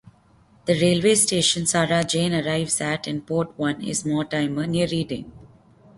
The railway station Sarah Jane arrives at in Part One is Mortimer, near Reading.